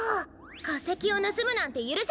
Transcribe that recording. かせきをぬすむなんてゆるせない！